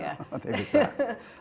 ya lebih besar